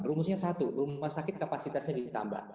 rumusnya satu rumah sakit kapasitasnya ditambah